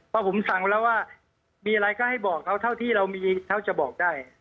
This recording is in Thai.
พอผมสั่งแล้วว่ามีอะไรก็ให้บอกเค้าที่เรามีเค้าจะบอกได้